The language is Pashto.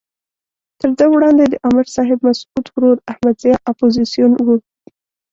تر ده وړاندې د امر صاحب مسعود ورور احمد ضیاء اپوزیسون وو.